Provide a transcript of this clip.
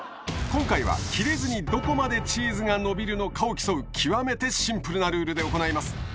今回は切れずにどこまでチーズが伸びるのかを競う極めてシンプルなルールで行います。